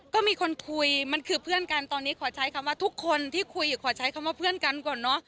ก็มีคนคุยมันคือเพื่อนกันตอนนี้ขอใช้คำว่าทุกคนที่คุยขอใช้คำว่าเพื่อนกันก่อนเนอะ